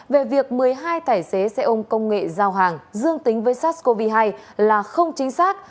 về việc một mươi hai tài xế xe ôm công nghệ giao hàng dương tính với sars cov hai là không chính xác